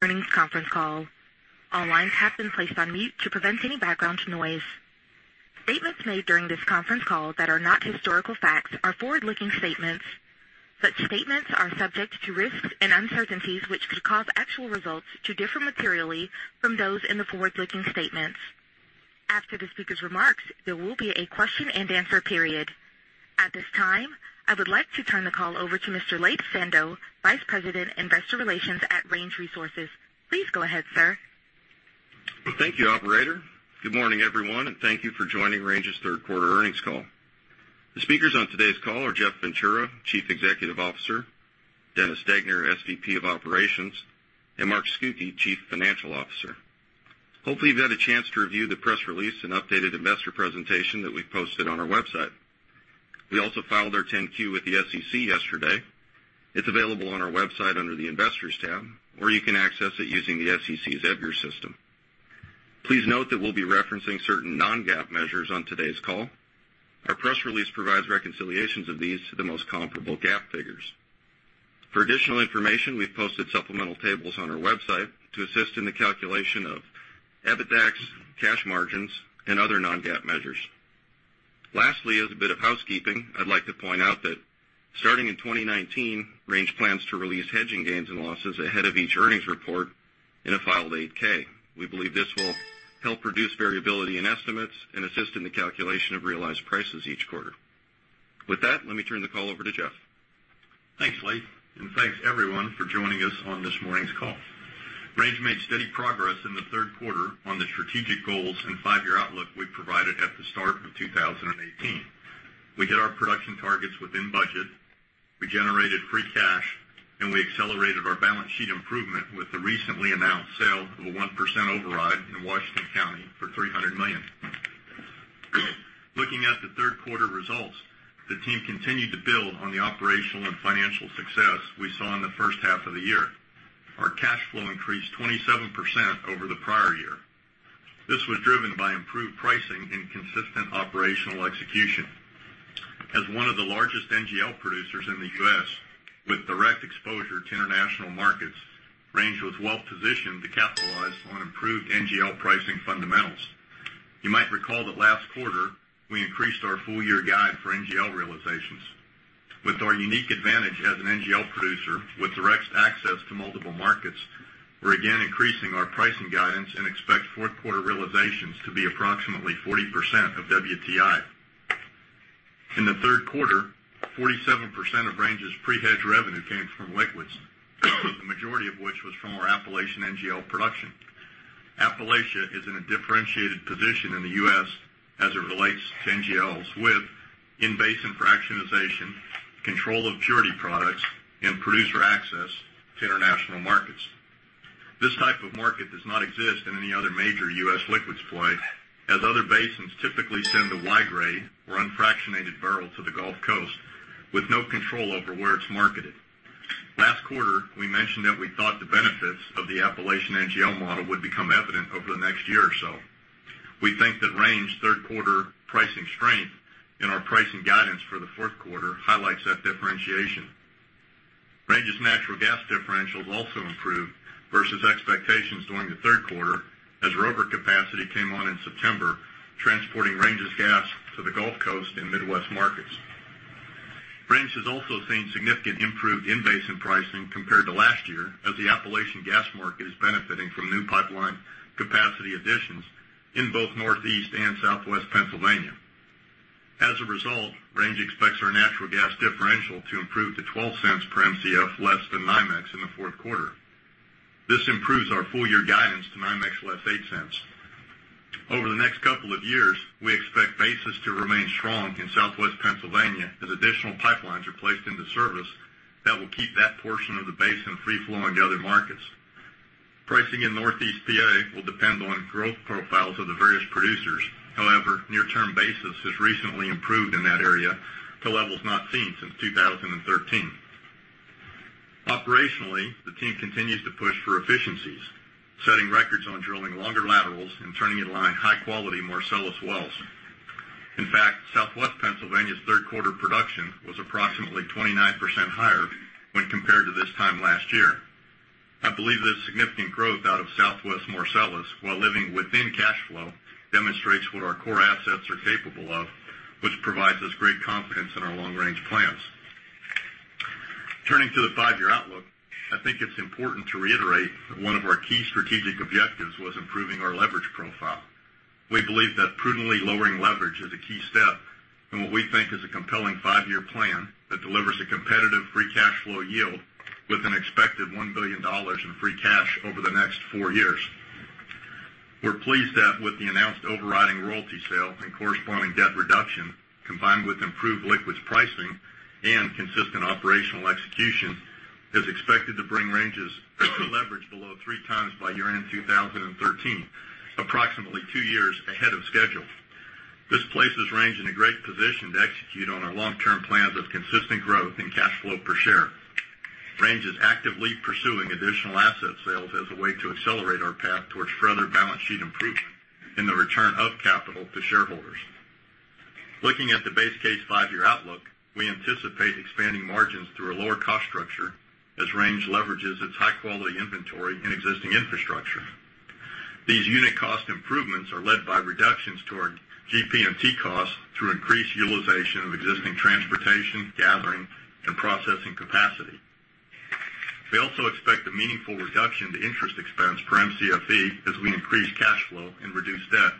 Earnings conference call. All lines have been placed on mute to prevent any background noise. Statements made during this conference call that are not historical facts are forward-looking statements. Such statements are subject to risks and uncertainties which could cause actual results to differ materially from those in the forward-looking statements. After the speaker's remarks, there will be a question and answer period. At this time, I would like to turn the call over to Mr. Laith Sando, Vice President, Investor Relations at Range Resources. Please go ahead, sir. Thank you, operator. Good morning, everyone, thank you for joining Range's third quarter earnings call. The speakers on today's call are Jeff Ventura, Chief Executive Officer, Dennis Degner, SVP of Operations, Mark Scucchi, Chief Financial Officer. Hopefully, you've had a chance to review the press release and updated investor presentation that we've posted on our website. We also filed our 10-Q with the SEC yesterday. It's available on our website under the Investors tab, you can access it using the SEC's EDGAR system. Please note that we'll be referencing certain non-GAAP measures on today's call. Our press release provides reconciliations of these to the most comparable GAAP figures. For additional information, we've posted supplemental tables on our website to assist in the calculation of EBITDAX, cash margins, and other non-GAAP measures. Lastly, as a bit of housekeeping, I'd like to point out that starting in 2019, Range plans to release hedging gains and losses ahead of each earnings report in a filed 8-K. We believe this will help reduce variability in estimates and assist in the calculation of realized prices each quarter. With that, let me turn the call over to Jeff. Thanks, Laith, thanks, everyone, for joining us on this morning's call. Range made steady progress in the third quarter on the strategic goals and five-year outlook we provided at the start of 2018. We hit our production targets within budget. We generated free cash, we accelerated our balance sheet improvement with the recently announced sale of a 1% override in Washington County for $300 million. Looking at the third quarter results, the team continued to build on the operational and financial success we saw in the first half of the year. Our cash flow increased 27% over the prior year. This was driven by improved pricing and consistent operational execution. As one of the largest NGL producers in the U.S. with direct exposure to international markets, Range was well-positioned to capitalize on improved NGL pricing fundamentals. You might recall that last quarter, we increased our full-year guide for NGL realizations. With our unique advantage as an NGL producer with direct access to multiple markets, we're again increasing our pricing guidance and expect fourth quarter realizations to be approximately 40% of WTI. In the third quarter, 47% of Range's pre-hedge revenue came from liquids, the majority of which was from our Appalachian NGL production. Appalachia is in a differentiated position in the U.S. as it relates to NGLs with in-basin fractionation, control of purity products, and producer access to international markets. This type of market does not exist in any other major U.S. liquids play, as other basins typically send a Y-grade or unfractionated barrel to the Gulf Coast with no control over where it's marketed. Last quarter, we mentioned that we thought the benefits of the Appalachian NGL model would become evident over the next year or so. We think that Range third quarter pricing strength in our pricing guidance for the fourth quarter highlights that differentiation. Range's natural gas differentials also improved versus expectations during the third quarter as Rover capacity came on in September, transporting Range's gas to the Gulf Coast and Midwest markets. Range has also seen significant improved in-basin pricing compared to last year as the Appalachian gas market is benefiting from new pipeline capacity additions in both northeast and southwest Pennsylvania. As a result, Range expects our natural gas differential to improve to $0.12 per Mcf less than NYMEX in the fourth quarter. This improves our full-year guidance to NYMEX less $0.08. Over the next couple of years, we expect basis to remain strong in southwest Pennsylvania as additional pipelines are placed into service that will keep that portion of the basin free flowing to other markets. Pricing in northeast PA will depend on growth profiles of the various producers. However, near-term basis has recently improved in that area to levels not seen since 2013. Operationally, the team continues to push for efficiencies, setting records on drilling longer laterals and turning in line high-quality Marcellus wells. In fact, southwest Pennsylvania's third quarter production was approximately 29% higher when compared to this time last year. I believe this significant growth out of southwest Marcellus while living within cash flow demonstrates what our core assets are capable of, which provides us great confidence in our long-range plans. Turning to the five-year outlook, I think it's important to reiterate that one of our key strategic objectives was improving our leverage profile. We believe that prudently lowering leverage is a key step in what we think is a compelling five-year plan that delivers a competitive free cash flow yield with an expected $1 billion in free cash over the next four years. We're pleased that with the announced overriding royalty sale and corresponding debt reduction, combined with improved liquids pricing and consistent operational execution, is expected to bring Range's leverage below three times by year-end 2013, approximately two years ahead of schedule. This places Range in a great position to execute on our long-term plans of consistent growth in cash flow per share. Range is actively pursuing additional asset sales as a way to accelerate our path towards further balance sheet improvement in the return of capital to shareholders. Looking at the base case five-year outlook, we anticipate expanding margins through a lower cost structure as Range leverages its high-quality inventory and existing infrastructure. These unit cost improvements are led by reductions toward GP&T costs through increased utilization of existing transportation, gathering, and processing capacity. We also expect a meaningful reduction to interest expense per MCFE as we increase cash flow and reduce debt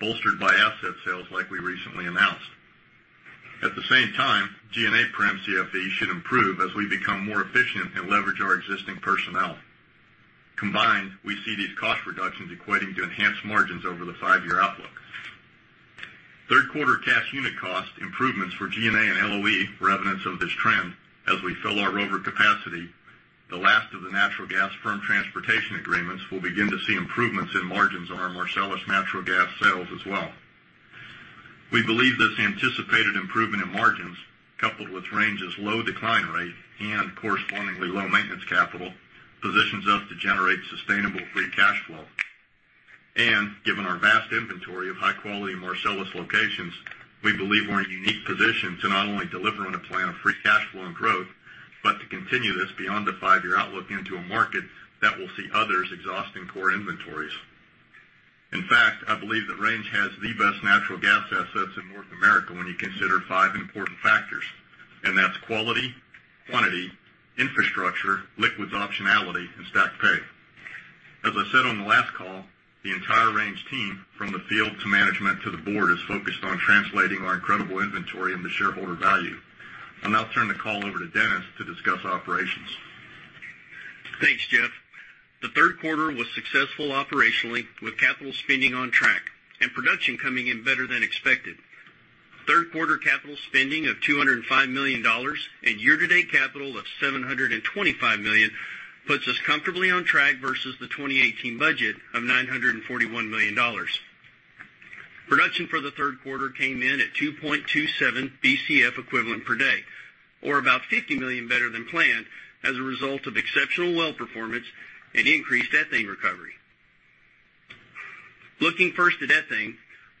bolstered by asset sales like we recently announced. At the same time, G&A per MCFE should improve as we become more efficient and leverage our existing personnel. Combined, we see these cost reductions equating to enhanced margins over the five-year outlook. Third quarter cash unit cost improvements for G&A and LOE were evidence of this trend as we fill our Rover capacity. The last of the natural gas firm transportation agreements will begin to see improvements in margins on our Marcellus natural gas sales as well. We believe this anticipated improvement in margins, coupled with Range's low decline rate and correspondingly low maintenance capital, positions us to generate sustainable free cash flow. Given our vast inventory of high-quality Marcellus locations, we believe we're in a unique position to not only deliver on a plan of free cash flow and growth, but to continue this beyond the five-year outlook into a market that will see others exhausting core inventories. In fact, I believe that Range has the best natural gas assets in North America when you consider five important factors, and that's quality, quantity, infrastructure, liquids optionality, and stacked pay. As I said on the last call, the entire Range team, from the field to management to the board, is focused on translating our incredible inventory into shareholder value. I'll now turn the call over to Dennis to discuss operations. Thanks, Jeff. The third quarter was successful operationally with capital spending on track and production coming in better than expected. Third quarter capital spending of $205 million and year-to-date capital of $725 million puts us comfortably on track versus the 2018 budget of $941 million. Production for the third quarter came in at 2.27 Bcf equivalent per day, or about $50 million better than planned as a result of exceptional well performance and increased ethane recovery. Looking first at ethane,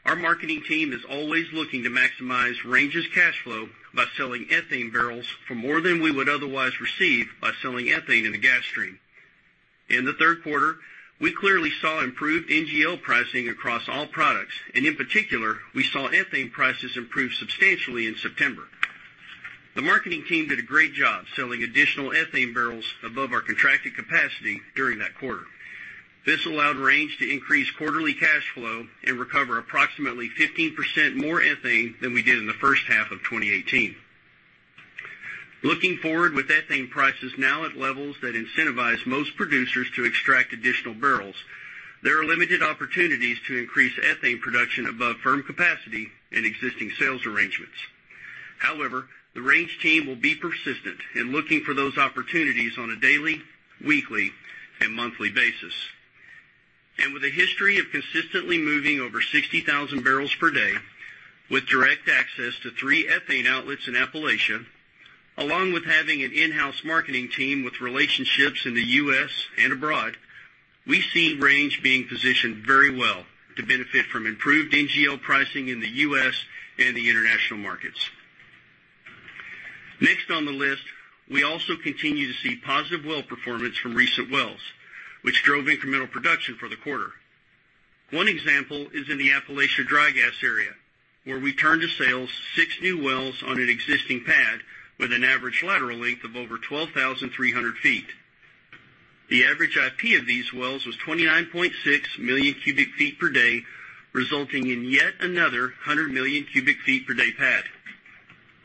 our marketing team is always looking to maximize Range's cash flow by selling ethane barrels for more than we would otherwise receive by selling ethane in the gas stream. In the third quarter, we clearly saw improved NGL pricing across all products. In particular, we saw ethane prices improve substantially in September. The marketing team did a great job selling additional ethane barrels above our contracted capacity during that quarter. This allowed Range to increase quarterly cash flow and recover approximately 15% more ethane than we did in the first half of 2018. Looking forward with ethane prices now at levels that incentivize most producers to extract additional barrels, there are limited opportunities to increase ethane production above firm capacity in existing sales arrangements. However, the Range team will be persistent in looking for those opportunities on a daily, weekly, and monthly basis. With a history of consistently moving over 60,000 barrels per day with direct access to three ethane outlets in Appalachia, along with having an in-house marketing team with relationships in the U.S. and abroad, we see Range being positioned very well to benefit from improved NGL pricing in the U.S. and the international markets. Next on the list, we also continue to see positive well performance from recent wells, which drove incremental production for the quarter. One example is in the Appalachia dry gas area, where we turned to sales six new wells on an existing pad with an average lateral length of over 12,300 feet. The average IP of these wells was 29.6 million cubic feet per day, resulting in yet another 100 million cubic feet per day pad.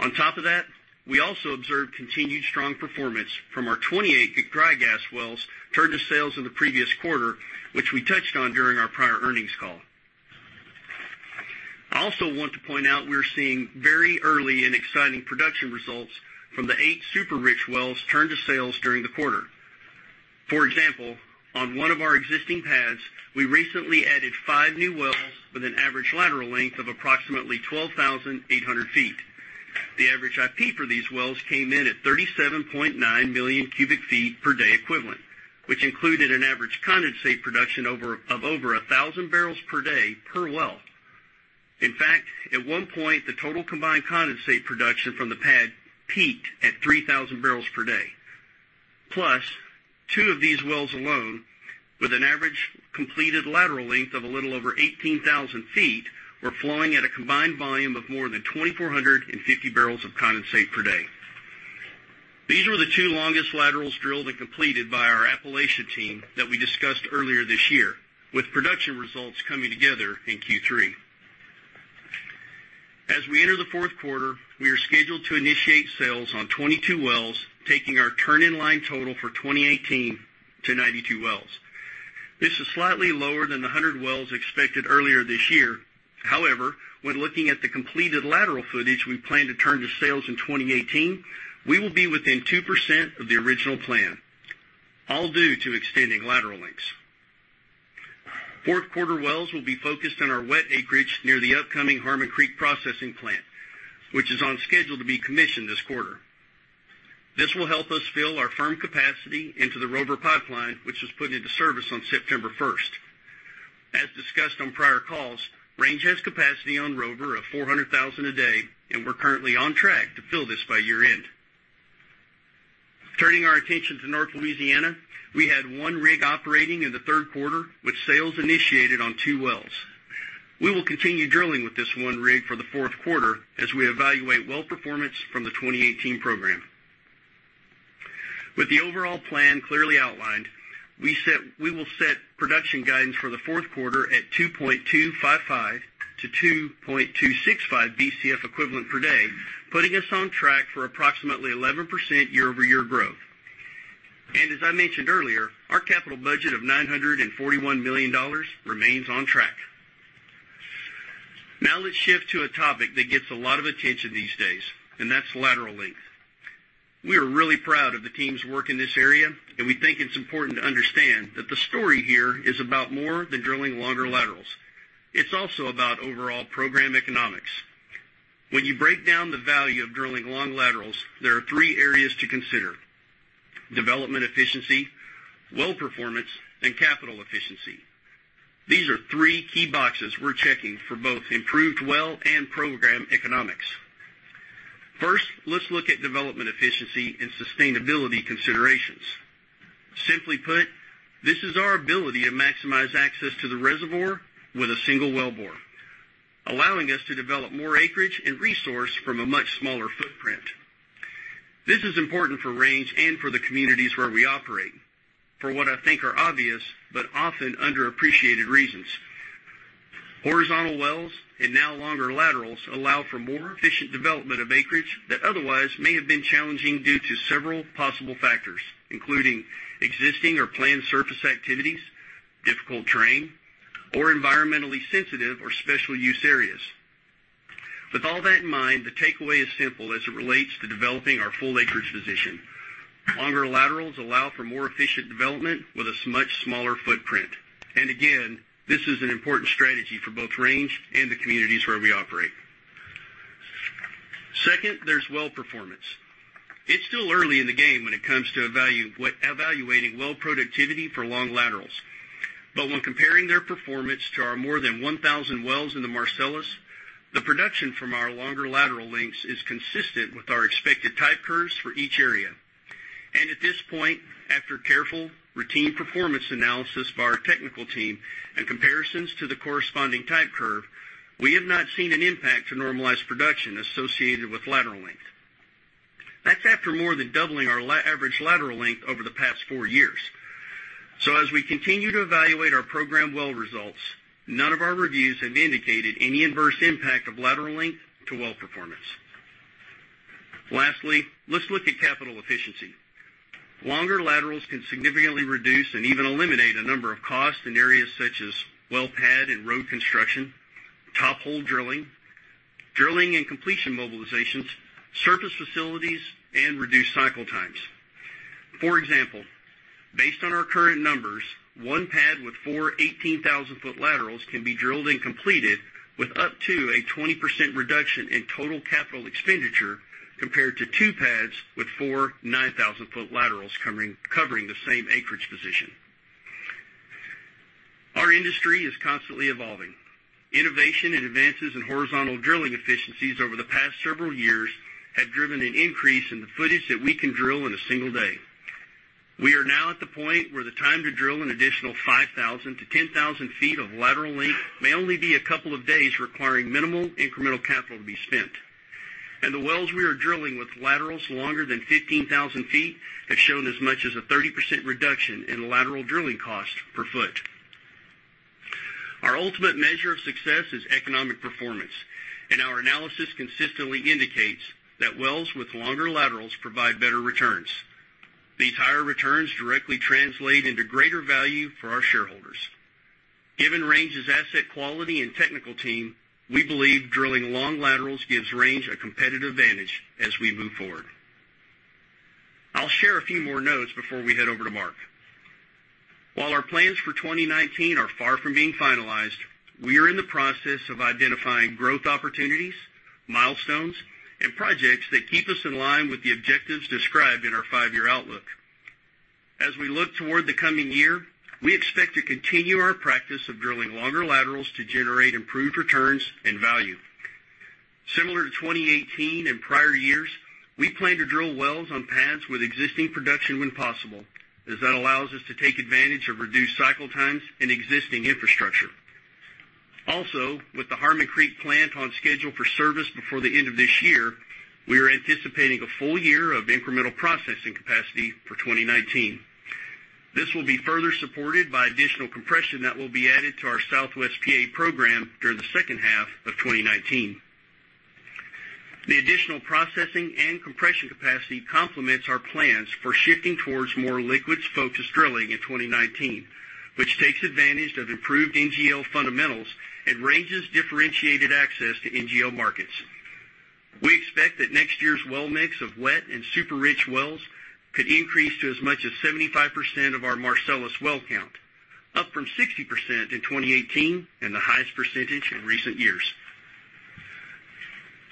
On top of that, we also observed continued strong performance from our 28 dry gas wells turned to sales in the previous quarter, which we touched on during our prior earnings call. I also want to point out we're seeing very early and exciting production results from the eight super-rich wells turned to sales during the quarter. For example, on one of our existing pads, we recently added five new wells with an average lateral length of approximately 12,800 feet. The average IP for these wells came in at 37.9 million cubic feet per day equivalent, which included an average condensate production of over 1,000 barrels per day per well. In fact, at one point, the total combined condensate production from the pad peaked at 3,000 barrels per day. Plus, two of these wells alone, with an average completed lateral length of a little over 18,000 feet, were flowing at a combined volume of more than 2,450 barrels of condensate per day. These were the two longest laterals drilled and completed by our Appalachia team that we discussed earlier this year, with production results coming together in Q3. As we enter the fourth quarter, we are scheduled to initiate sales on 22 wells, taking our turn-in-line total for 2018 to 92 wells. This is slightly lower than the 100 wells expected earlier this year. However, when looking at the completed lateral footage we plan to turn to sales in 2018, we will be within 2% of the original plan, all due to extending lateral lengths. Fourth quarter wells will be focused on our wet acreage near the upcoming Harmon Creek processing plant, which is on schedule to be commissioned this quarter. This will help us fill our firm capacity into the Rover Pipeline, which was put into service on September 1st. As discussed on prior calls, Range has capacity on Rover of 400,000 a day, we're currently on track to fill this by year-end. Turning our attention to North Louisiana, we had one rig operating in the third quarter, with sales initiated on two wells. We will continue drilling with this one rig for the fourth quarter as we evaluate well performance from the 2018 program. With the overall plan clearly outlined, we will set production guidance for the fourth quarter at 2.255-2.265 Bcf equivalent per day, putting us on track for approximately 11% year-over-year growth. As I mentioned earlier, our capital budget of $941 million remains on track. Let's shift to a topic that gets a lot of attention these days, and that's lateral length. We are really proud of the team's work in this area, and we think it's important to understand that the story here is about more than drilling longer laterals. It's also about overall program economics. When you break down the value of drilling long laterals, there are three areas to consider: development efficiency, well performance, and capital efficiency. These are three key boxes we're checking for both improved well and program economics. First, let's look at development efficiency and sustainability considerations. Simply put, this is our ability to maximize access to the reservoir with a single wellbore, allowing us to develop more acreage and resource from a much smaller footprint. This is important for Range and for the communities where we operate for what I think are obvious but often underappreciated reasons. Horizontal wells and now longer laterals allow for more efficient development of acreage that otherwise may have been challenging due to several possible factors, including existing or planned surface activities, difficult terrain, or environmentally sensitive or special use areas. With all that in mind, the takeaway is simple as it relates to developing our full acreage position. Longer laterals allow for more efficient development with a much smaller footprint. Again, this is an important strategy for both Range and the communities where we operate. Second, there's well performance. It's still early in the game when it comes to evaluating well productivity for long laterals. But when comparing their performance to our more than 1,000 wells in the Marcellus, the production from our longer lateral lengths is consistent with our expected type curves for each area. At this point, after careful routine performance analysis by our technical team and comparisons to the corresponding type curve, we have not seen an impact to normalized production associated with lateral length. That's after more than doubling our average lateral length over the past four years. As we continue to evaluate our program well results, none of our reviews have indicated any adverse impact of lateral length to well performance. Lastly, let's look at capital efficiency. Longer laterals can significantly reduce and even eliminate a number of costs in areas such as well pad and road construction, top hole drilling and completion mobilizations, surface facilities, and reduced cycle times. For example, based on our current numbers, one pad with four 18,000 foot laterals can be drilled and completed with up to a 20% reduction in total capital expenditure compared to two pads with four 9,000 foot laterals covering the same acreage position. Our industry is constantly evolving. Innovation and advances in horizontal drilling efficiencies over the past several years have driven an increase in the footage that we can drill in a single day. We are now at the point where the time to drill an additional 5,000 to 10,000 feet of lateral length may only be a couple of days requiring minimal incremental capital to be spent. The wells we are drilling with laterals longer than 15,000 feet have shown as much as a 30% reduction in lateral drilling cost per foot. Our ultimate measure of success is economic performance, and our analysis consistently indicates that wells with longer laterals provide better returns. These higher returns directly translate into greater value for our shareholders. Given Range's asset quality and technical team, we believe drilling long laterals gives Range a competitive advantage as we move forward. I'll share a few more notes before we head over to Mark. While our plans for 2019 are far from being finalized, we are in the process of identifying growth opportunities, milestones, and projects that keep us in line with the objectives described in our five-year outlook. As we look toward the coming year, we expect to continue our practice of drilling longer laterals to generate improved returns and value. Similar to 2018 and prior years, we plan to drill wells on pads with existing production when possible, as that allows us to take advantage of reduced cycle times and existing infrastructure. Also, with the Harmon Creek plant on schedule for service before the end of this year, we are anticipating a full year of incremental processing capacity for 2019. This will be further supported by additional compression that will be added to our Southwest PA program during the second half of 2019. The additional processing and compression capacity complements our plans for shifting towards more liquids-focused drilling in 2019, which takes advantage of improved NGL fundamentals and Range's differentiated access to NGL markets. We expect that next year's well mix of wet and super-rich wells could increase to as much as 75% of our Marcellus well count, up from 60% in 2018 and the highest percentage in recent years.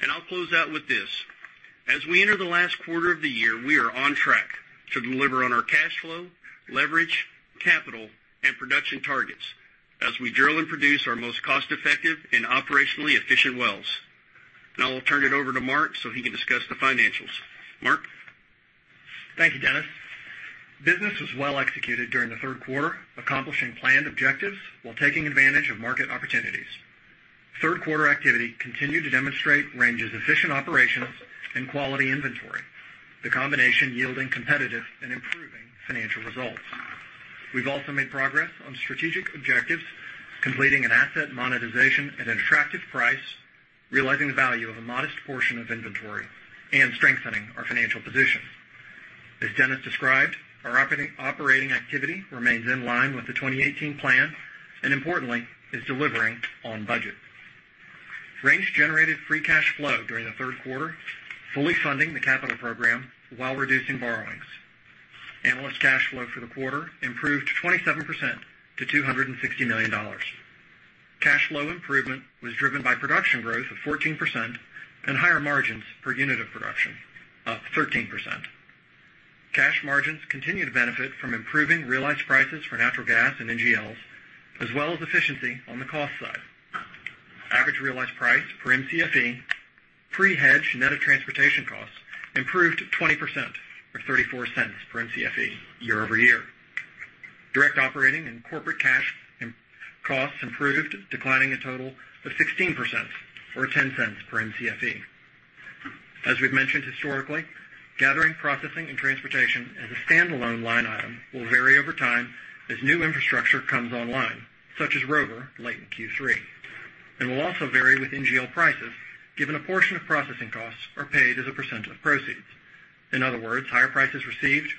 I'll close out with this. As we enter the last quarter of the year, we are on track to deliver on our cash flow, leverage, capital, and production targets as we drill and produce our most cost-effective and operationally efficient wells. Now I'll turn it over to Mark so he can discuss the financials. Mark? Thank you, Dennis. Business was well executed during the third quarter, accomplishing planned objectives while taking advantage of market opportunities. Third quarter activity continued to demonstrate Range's efficient operations and quality inventory, the combination yielding competitive and improving financial results. We've also made progress on strategic objectives, completing an asset monetization at an attractive price, realizing the value of a modest portion of inventory, and strengthening our financial position. As Dennis described, our operating activity remains in line with the 2018 plan, and importantly, is delivering on budget. Range generated free cash flow during the third quarter, fully funding the capital program while reducing borrowings. Analyst cash flow for the quarter improved 27% to $260 million. Cash flow improvement was driven by production growth of 14% and higher margins per unit of production, up 13%. Cash margins continue to benefit from improving realized prices for natural gas and NGLs, as well as efficiency on the cost side. Average realized price per Mcfe, pre-hedge net of transportation costs, improved 20%, or $0.34 per Mcfe year-over-year. Direct operating and corporate cash costs improved, declining a total of 16%, or $0.10 per Mcfe. As we've mentioned historically, gathering, processing, and transportation as a standalone line item will vary over time as new infrastructure comes online, such as Rover late in Q3, and will also vary with NGL prices, given a portion of processing costs are paid as a percent of proceeds. In other words, higher prices received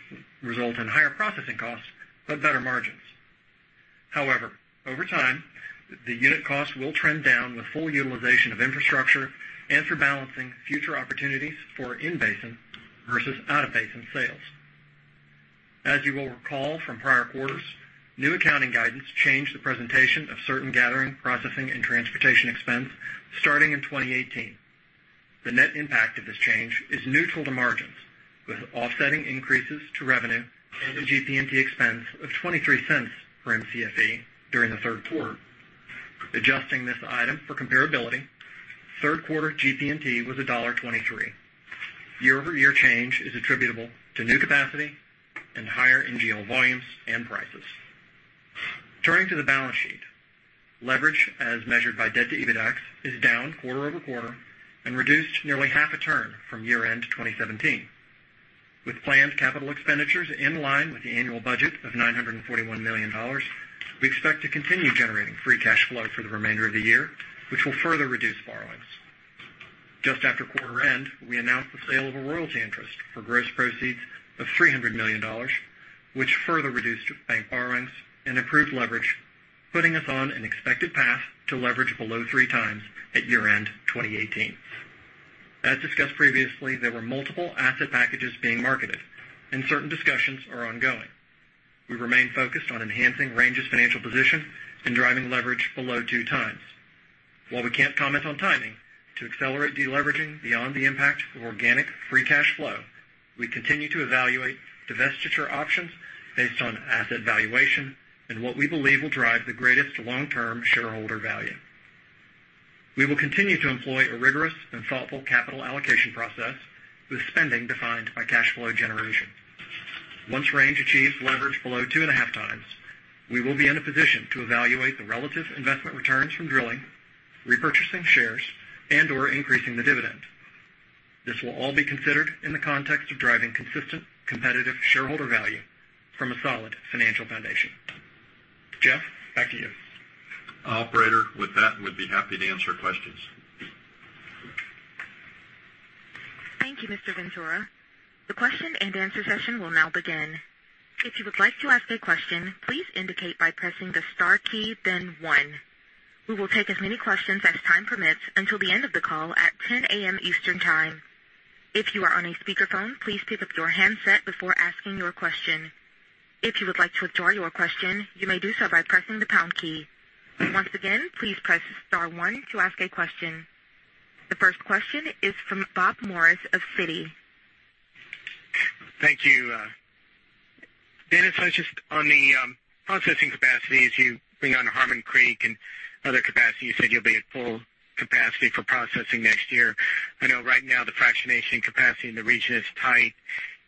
result in higher processing costs, but better margins. Over time, the unit cost will trend down with full utilization of infrastructure and through balancing future opportunities for in-basin versus out-of-basin sales. As you will recall from prior quarters, new accounting guidance changed the presentation of certain gathering, processing, and transportation expense starting in 2018. The net impact of this change is neutral to margins, with offsetting increases to revenue and the GP&T expense of $0.23 per Mcfe during the third quarter. Adjusting this item for comparability, third quarter GP&T was $1.23. Year-over-year change is attributable to new capacity and higher NGL volumes and prices. Turning to the balance sheet. Leverage, as measured by debt to EBITDAX, is down quarter-over-quarter and reduced nearly half a turn from year end 2017. With planned capital expenditures in line with the annual budget of $941 million, we expect to continue generating free cash flow for the remainder of the year, which will further reduce borrowings. Just after quarter end, we announced the sale of a royalty interest for gross proceeds of $300 million, which further reduced bank borrowings and improved leverage, putting us on an expected path to leverage below three times at year end 2018. As discussed previously, there were multiple asset packages being marketed, and certain discussions are ongoing. We remain focused on enhancing Range's financial position and driving leverage below two times. While we can't comment on timing, to accelerate de-leveraging beyond the impact of organic free cash flow, we continue to evaluate divestiture options based on asset valuation and what we believe will drive the greatest long-term shareholder value. We will continue to employ a rigorous and thoughtful capital allocation process with spending defined by cash flow generation. Once Range achieves leverage below two and a half times, we will be in a position to evaluate the relative investment returns from drilling, repurchasing shares, and/or increasing the dividend. This will all be considered in the context of driving consistent, competitive shareholder value from a solid financial foundation. Jeff, back to you. Operator, with that, we'd be happy to answer questions. Thank you, Mr. Ventura. The question and answer session will now begin. If you would like to ask a question, please indicate by pressing the star key, then one. We will take as many questions as time permits until the end of the call at 10:00 A.M. Eastern Time. If you are on a speakerphone, please pick up your handset before asking your question. If you would like to withdraw your question, you may do so by pressing the pound key. Once again, please press star one to ask a question. The first question is from Bob Morris of Citi. Thank you. Dennis, on the processing capacities you bring on Harmon Creek and other capacity, you said you'll be at full capacity for processing next year. I know right now the fractionation capacity in the region is tight.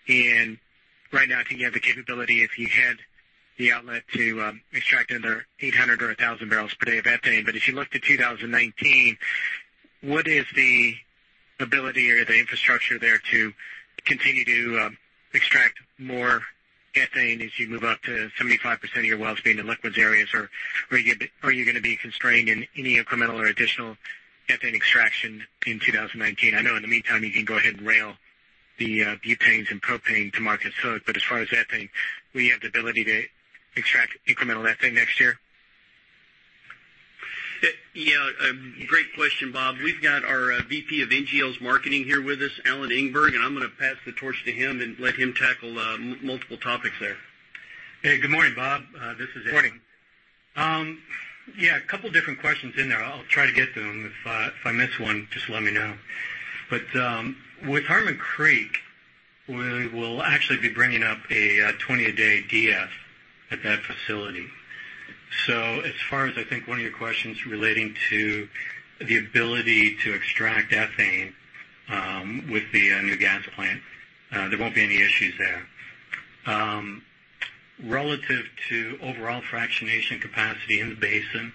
Right now I think you have the capability, if you had the outlet, to extract another 800 or 1,000 barrels per day of ethane. As you look to 2019, what is the ability or the infrastructure there to continue to extract more ethane as you move up to 75% of your wells being in liquids areas, or are you going to be constrained in any incremental or additional ethane extraction in 2019? I know in the meantime, you can go ahead and rail the butanes and propane to market. As far as ethane, will you have the ability to extract incremental ethane next year? Yeah. Great question, Bob. We've got our VP of NGLs Marketing here with us, Alan Engberg. I'm going to pass the torch to him and let him tackle multiple topics there. Hey, good morning, Bob. This is Alan. Morning. A couple different questions in there. I'll try to get to them. If I miss one, just let me know. With Harmon Creek, we will actually be bringing up a 20-a-day de-ethanizer at that facility. As far as I think one of your questions relating to the ability to extract ethane with the new gas plant, there won't be any issues there. Relative to overall fractionation capacity in the basin,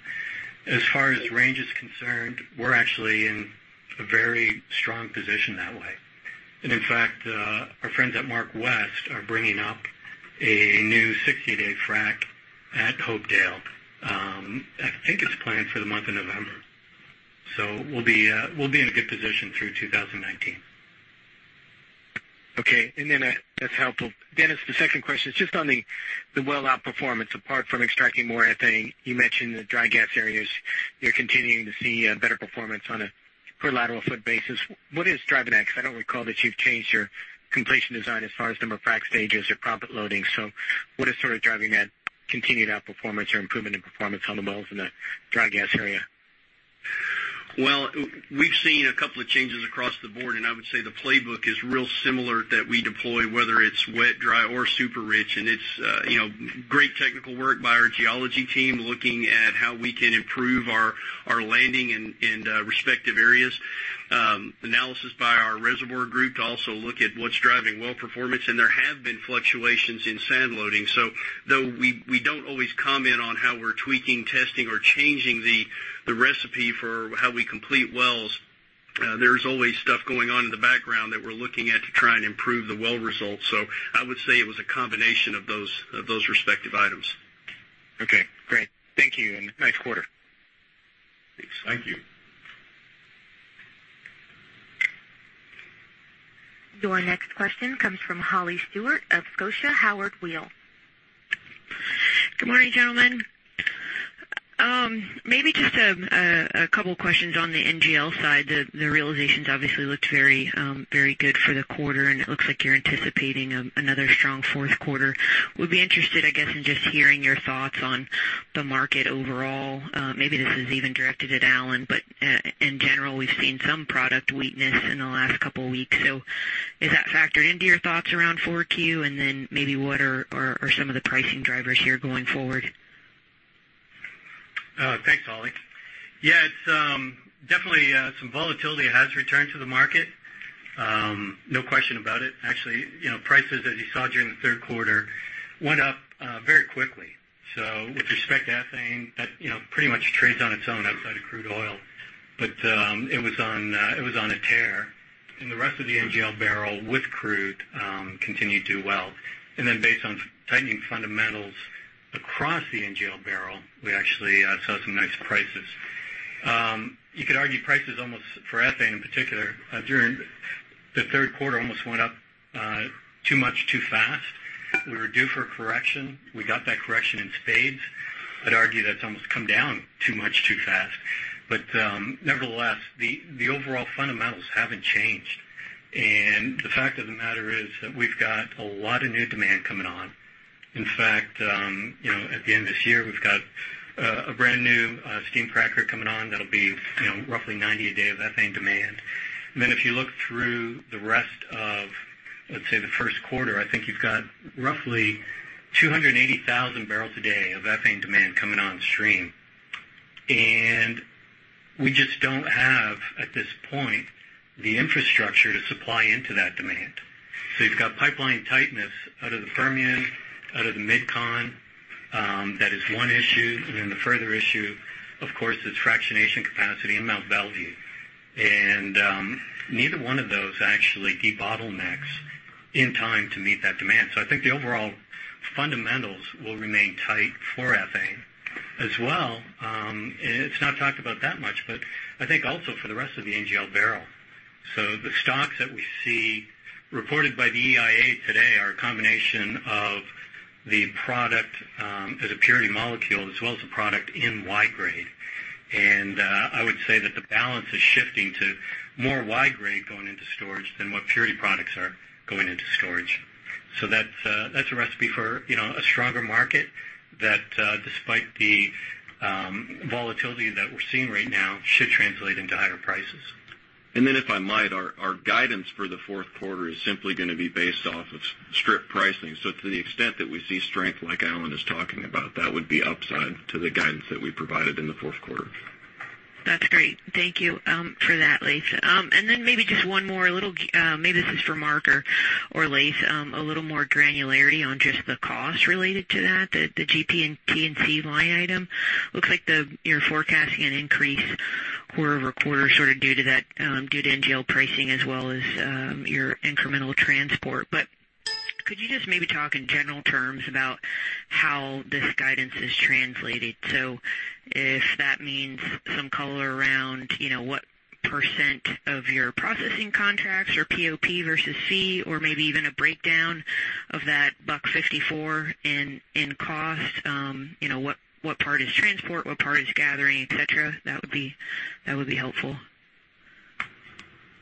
as far as Range is concerned, we're actually in a very strong position that way. And in fact, our friends at MarkWest are bringing up a new 60-day frack at Hopedale. I think it's planned for the month of November. We'll be in a good position through 2019. Okay. That's helpful. Dennis, the second question is just on the well outperformance, apart from extracting more ethane. You mentioned the dry gas areas. You're continuing to see better performance on a per lateral foot basis. What is driving that? Because I don't recall that you've changed your completion design as far as number of frack stages or proppant loading. What is sort of driving that continued outperformance or improvement in performance on the wells in the dry gas area? Well, we've seen a couple of changes across the board. I would say the playbook is real similar that we deploy, whether it's wet, dry, or super rich, and it's great technical work by our geology team, looking at how we can improve our landing in respective areas. Analysis by our reservoir group to also look at what's driving well performance. There have been fluctuations in sand loading. Though we don't always comment on how we're tweaking, testing, or changing the recipe for how we complete wells, there's always stuff going on in the background that we're looking at to try and improve the well results. I would say it was a combination of those respective items. Okay, great. Thank you, and nice quarter. Thanks. Thank you. Your next question comes from Holly Stewart of Scotiabank Howard Weil. Good morning, gentlemen. Maybe just a couple questions on the NGL side. The realizations obviously looked very good for the quarter, and it looks like you're anticipating another strong fourth quarter. Would be interested, I guess, in just hearing your thoughts on the market overall. Maybe this is even directed at Alan, but in general, we've seen some product weakness in the last couple weeks. Is that factored into your thoughts around 4Q? Maybe what are some of the pricing drivers here going forward? Thanks, Holly. Yes, definitely some volatility has returned to the market. No question about it. Actually, prices as you saw during the third quarter went up very quickly. With respect to ethane, that pretty much trades on its own outside of crude oil. It was on a tear, and the rest of the NGL barrel with crude continued to do well. Based on tightening fundamentals across the NGL barrel, we actually saw some nice prices. You could argue prices almost for ethane in particular during the third quarter almost went up too much, too fast. We were due for a correction. We got that correction in spades. I'd argue that's almost come down too much, too fast. Nevertheless, the overall fundamentals haven't changed. The fact of the matter is that we've got a lot of new demand coming on. In fact, at the end of this year, we've got a brand-new steam cracker coming on that'll be roughly 90 a day of ethane demand. If you look through the rest of, let's say, the first quarter, I think you've got roughly 280,000 barrels a day of ethane demand coming on stream. We just don't have, at this point, the infrastructure to supply into that demand. You've got pipeline tightness out of the Permian, out of the MidCon. That is one issue. The further issue, of course, is fractionation capacity in Mont Belvieu. Neither one of those actually debottlenecks in time to meet that demand. I think the overall fundamentals will remain tight for ethane as well. It's not talked about that much, but I think also for the rest of the NGL barrel. The stocks that we see reported by the EIA today are a combination of the product as a purity molecule as well as a product in Y-grade. I would say that the balance is shifting to more Y-grade going into storage than what purity products are going into storage. That's a recipe for a stronger market that, despite the volatility that we're seeing right now, should translate into higher prices. If I might, our guidance for the fourth quarter is simply going to be based off of strip pricing. To the extent that we see strength like Alan is talking about, that would be upside to the guidance that we provided in the fourth quarter. That's great. Thank you for that, Laith. Maybe just one more, maybe this is for Mark or Laith, a little more granularity on just the cost related to that, the GP&T line item. Looks like you're forecasting an increase quarter-over-quarter sort of due to NGL pricing as well as your incremental transport. Could you just maybe talk in general terms about how this guidance is translated? If that means some color around what % of your processing contracts or POP versus fee or maybe even a breakdown of that $1.54 in cost. What part is transport? What part is gathering, et cetera? That would be helpful.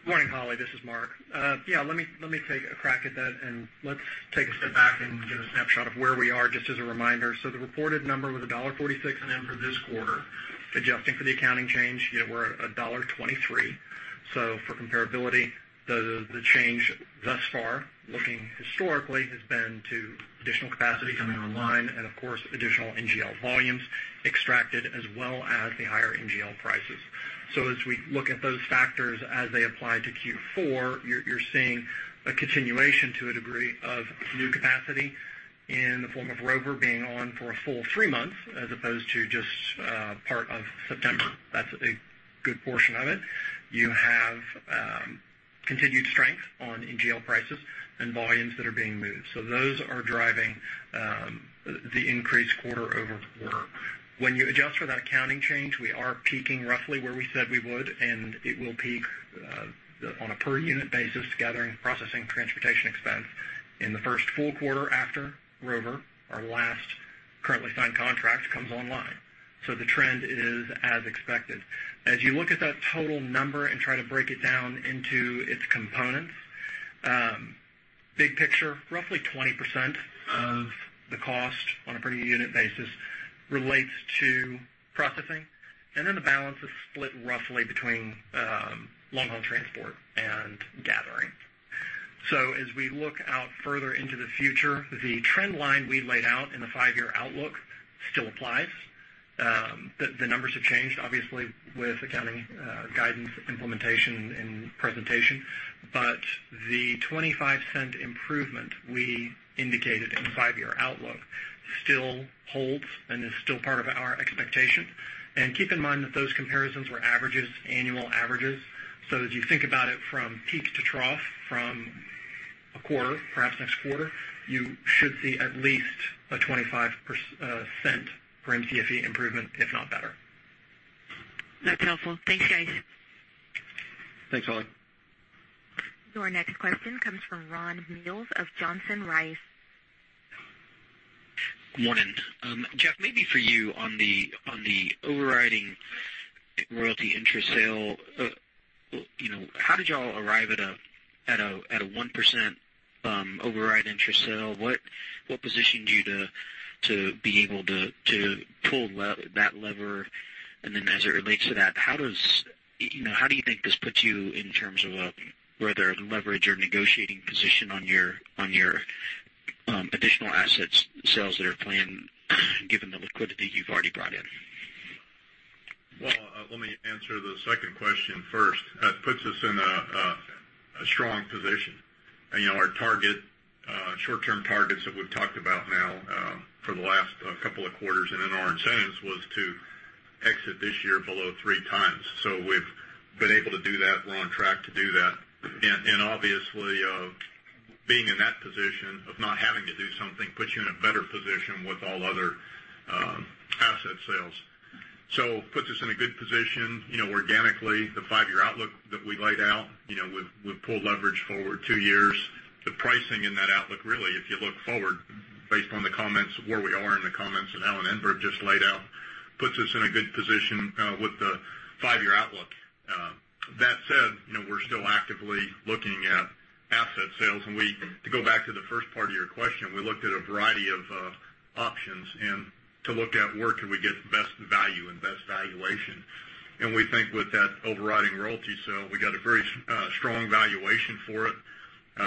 Morning, Holly. This is Mark. Let me take a crack at that and let's take a step back and get a snapshot of where we are just as a reminder. The reported number was $1.46 in this quarter. Adjusting for the accounting change, we're at $1.23. For comparability, the change thus far, looking historically, has been to additional capacity coming online and of course, additional NGL volumes extracted as well as the higher NGL prices. As we look at those factors as they apply to Q4, you're seeing a continuation to a degree of new capacity in the form of Rover being on for a full 3 months as opposed to just part of September. That's a good portion of it. You have continued strength on NGL prices and volumes that are being moved. Those are driving the increased quarter-over-quarter. When you adjust for that accounting change, we are peaking roughly where we said we would, it will peak on a per unit basis, gathering, processing, transportation expense in the first full quarter after Rover, our last currently signed contract comes online. The trend is as expected. As you look at that total number and try to break it down into its components, big picture, roughly 20% of the cost on a per unit basis relates to processing, the balance is split roughly between long-haul transport and gathering. As we look out further into the future, the trend line we laid out in the 5-year outlook still applies. The numbers have changed, obviously, with accounting guidance implementation and presentation, but the $0.25 improvement we indicated in the 5-year outlook still holds and is still part of our expectation. Keep in mind that those comparisons were annual averages. As you think about it from peak to trough from a quarter, perhaps next quarter, you should see at least a $0.25 per MCFE improvement, if not better. That's helpful. Thanks, guys. Thanks, Holly. Your next question comes from Ron Mills of Johnson Rice. Morning. Jeff, maybe for you on the overriding royalty interest sale. How did you all arrive at a 1% override interest sale? What positioned you to be able to pull that lever? As it relates to that, how do you think this puts you in terms of whether leverage or negotiating position on your additional asset sales that are planned, given the liquidity you've already brought in? Well, let me answer the second question first. That puts us in a strong position. Our short-term targets that we've talked about now for the last couple of quarters and in our incentives was to exit this year below three times. We've been able to do that. We're on track to do that. Obviously, being in that position of not having to do something puts you in a better position with all other asset sales. Puts us in a good position organically. The five-year outlook that we laid out, we've pulled leverage forward two years. The pricing in that outlook, really, if you look forward based on the comments of where we are and the comments that Alan Engberg just laid out, puts us in a good position with the five-year outlook. That said, we're still actively looking at asset sales. To go back to the first part of your question, we looked at a variety of options and to look at where could we get the best value and best valuation. We think with that overriding royalty sale, we got a very strong valuation for it.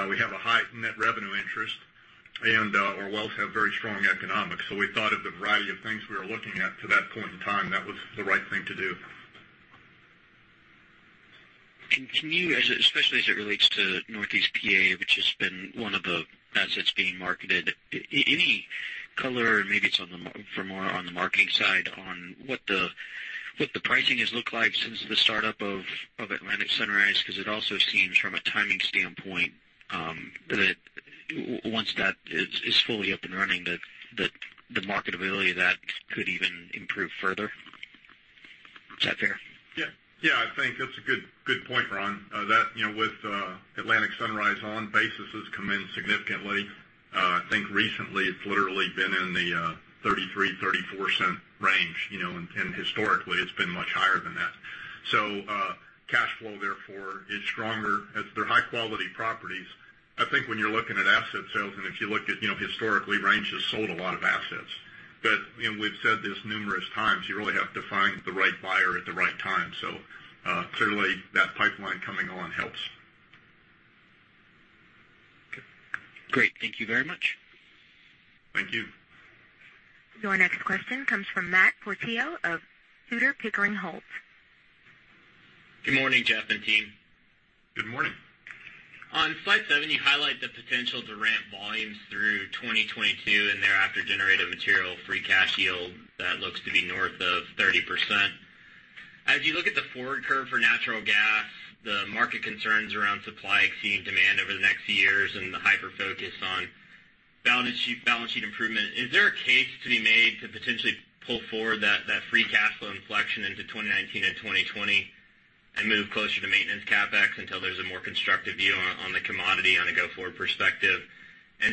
We have a high net revenue interest, and our wells have very strong economics. We thought of the variety of things we were looking at to that point in time. That was the right thing to do. Can you, especially as it relates to Northeast PA, which has been one of the assets being marketed, any color, maybe it's for more on the marketing side, on what the pricing has looked like since the startup of Atlantic Sunrise? It also seems from a timing standpoint that once that is fully up and running that the marketability of that could even improve further. Is that fair? I think that's a good point, Ron. With Atlantic Sunrise on, basis has come in significantly. I think recently it's literally been in the $0.33-$0.34 range, and historically it's been much higher than that. Cash flow therefore is stronger as they're high-quality properties. I think when you're looking at asset sales, and if you look at historically, Range has sold a lot of assets. We've said this numerous times, you really have to find the right buyer at the right time. Clearly that pipeline coming on helps. Okay, great. Thank you very much. Thank you. Your next question comes from Matt Portillo of Tudor, Pickering Holt. Good morning, Jeff and team. Good morning. On slide seven, you highlight the potential to ramp volumes through 2022 and thereafter generate a material free cash yield that looks to be north of 30%. As you look at the forward curve for natural gas, the market concerns around supply exceeding demand over the next years, and the hyper-focus on balance sheet improvement, is there a case to be made to potentially pull forward that free cash flow inflection into 2019 and 2020 and move closer to maintenance CapEx until there's a more constructive view on the commodity on a go-forward perspective?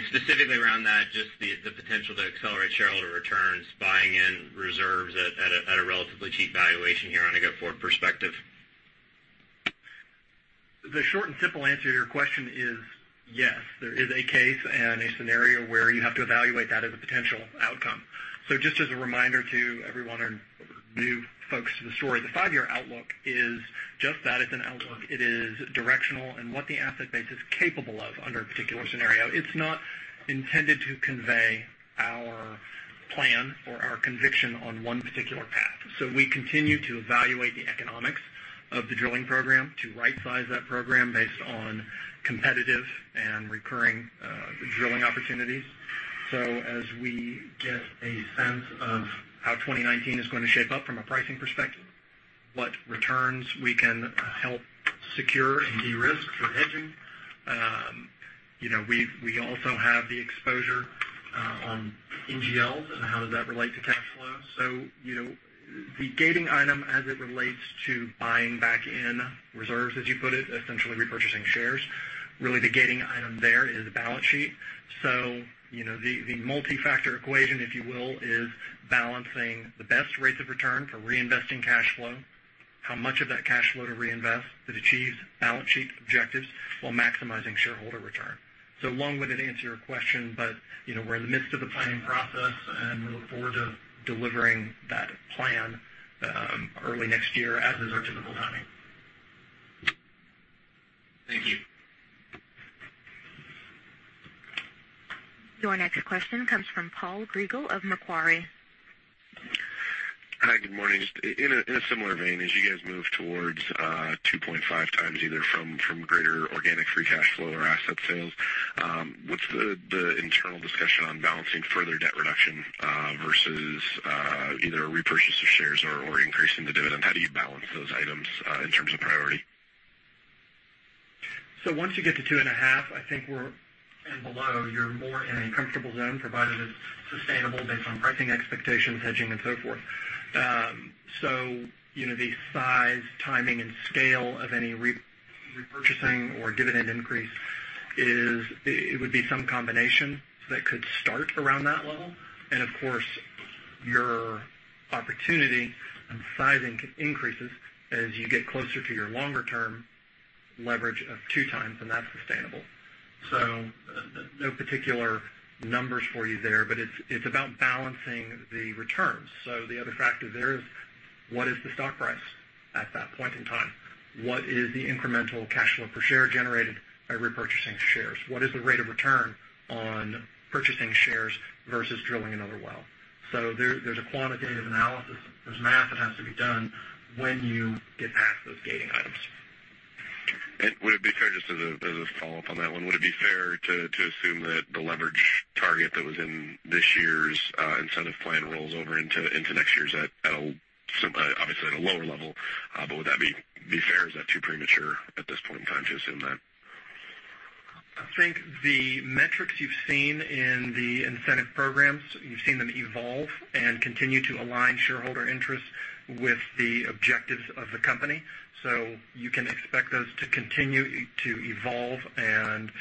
Specifically around that, just the potential to accelerate shareholder returns, buying in reserves at a relatively cheap valuation here on a go-forward perspective. The short and simple answer to your question is yes, there is a case and a scenario where you have to evaluate that as a potential outcome. Just as a reminder to everyone, our new folks to the story, the five-year outlook is just that. It's an outlook. It is directional and what the asset base is capable of under a particular scenario. It's not intended to convey our plan or our conviction on one particular path. We continue to evaluate the economics of the drilling program to right-size that program based on competitive and recurring drilling opportunities. As we get a sense of how 2019 is going to shape up from a pricing perspective, what returns we can help secure and de-risk for hedging. We also have the exposure on NGL and how does that relate to cash flow. The gating item as it relates to buying back in reserves, as you put it, essentially repurchasing shares, really the gating item there is the balance sheet. The multi-factor equation, if you will, is balancing the best rates of return for reinvesting cash flow, how much of that cash flow to reinvest that achieves balance sheet objectives while maximizing shareholder return. Long-winded answer to your question, but we're in the midst of the planning process, and we look forward to delivering that plan early next year, as is our typical timing. Thank you. Your next question comes from Paul Riegel of Macquarie. Hi, good morning. Just in a similar vein, as you guys move towards 2.5 times, either from greater organic free cash flow or asset sales, what's the internal discussion on balancing further debt reduction versus either repurchase of shares or increasing the dividend? How do you balance those items in terms of priority? Once you get to 2.5, I think we're in below, you're more in a comfortable zone, provided it's sustainable based on pricing expectations, hedging, and so forth. The size, timing, and scale of any repurchasing or dividend increase, it would be some combination that could start around that level. Of course, your opportunity and sizing increases as you get closer to your longer-term leverage of 2 times, and that's sustainable. No particular numbers for you there, but it's about balancing the returns. The other factor there is what is the stock price at that point in time? What is the incremental cash flow per share generated by repurchasing shares? What is the rate of return on purchasing shares versus drilling another well? There's a quantitative analysis. There's math that has to be done when you get past those gating items. Would it be fair, just as a follow-up on that one, would it be fair to assume that the leverage target that was in this year's incentive plan rolls over into next year's, obviously at a lower level, but would that be fair? Is that too premature at this point in time to assume that? I think the metrics you've seen in the incentive programs, you've seen them evolve and continue to align shareholder interests with the objectives of the company. You can expect those to continue to evolve and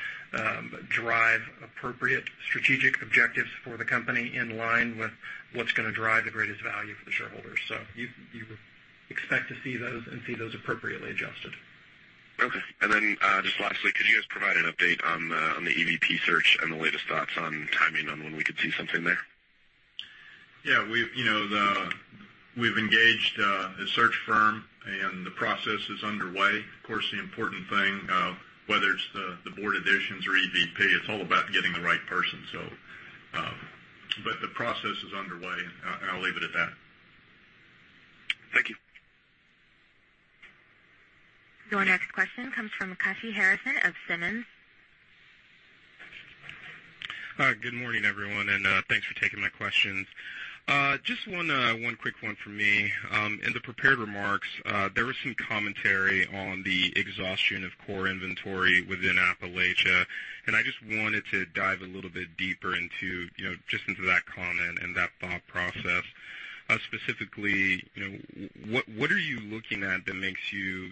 drive appropriate strategic objectives for the company in line with what's going to drive the greatest value for the shareholders. You would expect to see those and see those appropriately adjusted. Okay. Just lastly, could you guys provide an update on the EVP search and the latest thoughts on timing on when we could see something there? Yeah. We've engaged a search firm, the process is underway. Of course, the important thing, whether it's the board additions or EVP, it's all about getting the right person. The process is underway, and I'll leave it at that. Thank you. Your next question comes from Kashy Harrison of Simmons. Hi, good morning, everyone, and thanks for taking my questions. Just one quick one from me. In the prepared remarks, there was some commentary on the exhaustion of core inventory within Appalachia, and I just wanted to dive a little bit deeper just into that comment and that thought process. Specifically, what are you looking at that leads you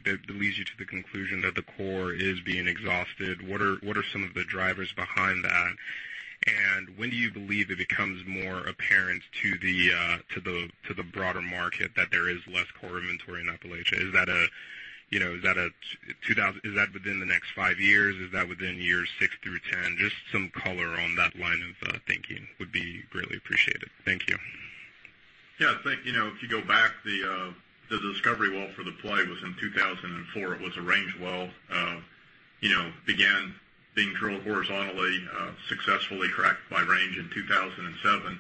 to the conclusion that the core is being exhausted? What are some of the drivers behind that? When do you believe it becomes more apparent to the broader market that there is less core inventory in Appalachia? Is that within the next five years? Is that within years six through 10? Just some color on that line of thinking would be greatly appreciated. Thank you. Yeah. If you go back, the discovery well for the play was in 2004. It was a Range well. Began being drilled horizontally, successfully cracked by Range in 2007.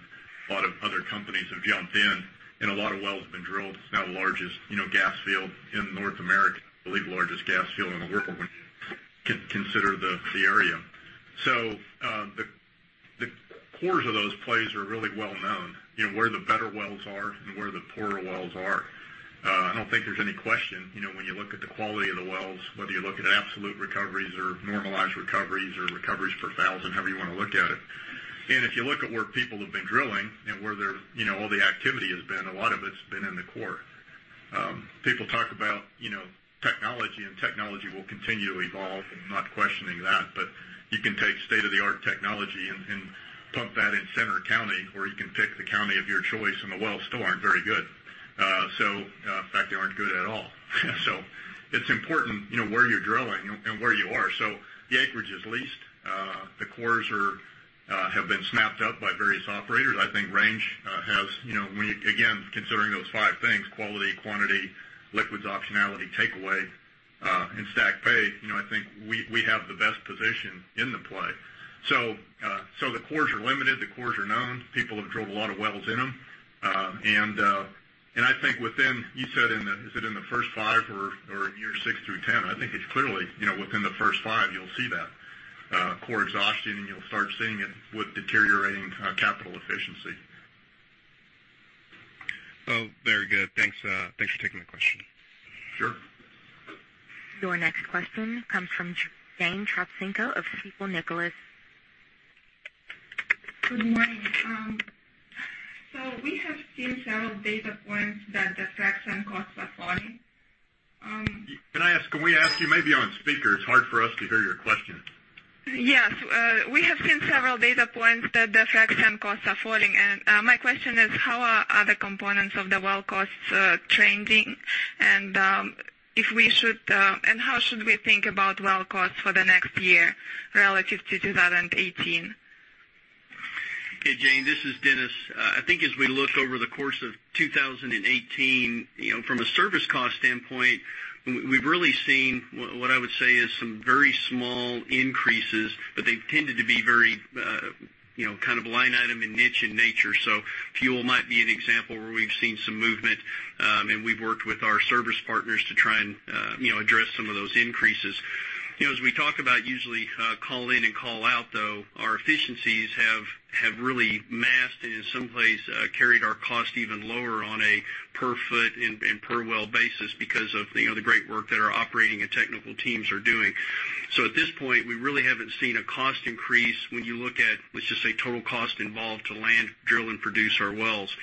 A lot of other companies have jumped in, and a lot of wells have been drilled. It's now the largest gas field in North America, I believe the largest gas field in the world when you consider the area. The cores of those plays are really well-known, where the better wells are and where the poorer wells are. I don't think there's any question, when you look at the quality of the wells, whether you look at absolute recoveries or normalized recoveries, or recoveries per 1,000, however you want to look at it. If you look at where people have been drilling and where all the activity has been, a lot of it's been in the core. People talk about technology will continue to evolve, I'm not questioning that, but you can take state-of-the-art technology and pump that in Centre County, or you can pick the county of your choice, and the wells still aren't very good. In fact, they aren't good at all. It's important where you're drilling and where you are. The acreage is leased. The cores have been snapped up by various operators. I think Range has, again, considering those five things, quality, quantity, liquids optionality, takeaway, and stacked pay, I think we have the best position in the play. The cores are limited, the cores are known. People have drilled a lot of wells in them. I think within, you said, is it in the first five or in year six through 10? I think it's clearly within the first five, you'll see that core exhaustion, you'll start seeing it with deteriorating capital efficiency. Very good. Thanks for taking the question. Sure. Your next question comes from Jane Trotsenko of Seaport Global Securities. Good morning. We have seen several data points that the frack sand costs are falling. Can we ask you, maybe on speaker? It's hard for us to hear your question. Yes. We have seen several data points that the frack sand costs are falling, my question is, how are other components of the well costs trending, how should we think about well costs for the next year relative to 2018? Okay, Jane, this is Dennis. I think as we look over the course of 2018, from a service cost standpoint, we've really seen what I would say is some very small increases, they've tended to be very line item and niche in nature. Fuel might be an example where we've seen some movement, we've worked with our service partners to try and address some of those increases. As we talk about usually call in and call out, though, our efficiencies have really masked and in some place, carried our cost even lower on a per foot and per well basis because of the great work that our operating and technical teams are doing. At this point, we really haven't seen a cost increase when you look at, let's just say, total cost involved to land, drill, and produce our wells.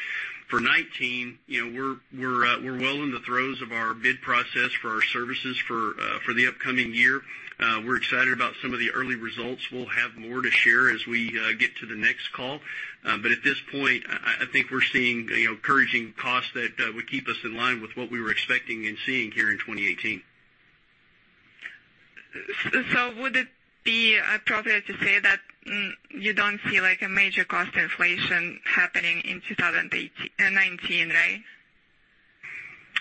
For 2019, we're well in the throes of our bid process for our services for the upcoming year. We're excited about some of the early results. We'll have more to share as we get to the next call. At this point, I think we're seeing encouraging costs that would keep us in line with what we were expecting and seeing here in 2018. Would it be appropriate to say that you don't see a major cost inflation happening in 2019, right?